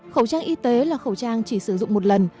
khẩu trang y tế là khẩu trang chỉ sử dụng một lần